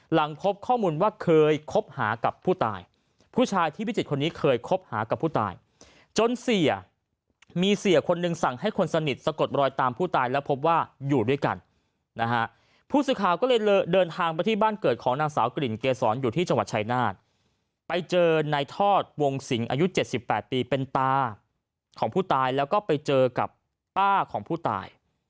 หลังพบข้อมูลว่าเคยคบหากับผู้ตายผู้ชายที่พิจิตรคนนี้เคยคบหากับผู้ตายจนเสียมีเสียคนหนึ่งสั่งให้คนสนิทสะกดรอยตามผู้ตายแล้วพบว่าอยู่ด้วยกันนะฮะผู้สื่อข่าวก็เลยเดินทางไปที่บ้านเกิดของนางสาวกลิ่นเกษรอยู่ที่จังหวัดชายนาฏไปเจอในทอดวงสิงอายุ๗๘ปีเป็นตาของผู้ตายแล้วก็ไปเจอกับป้าของผู้ตาย